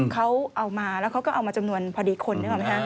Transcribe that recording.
เขาเอามาแล้วเขาก็เอามาจำนวนพอดีคน